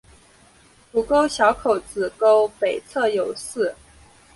主沟小口子沟北侧有寺。